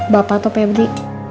bapak atau pebri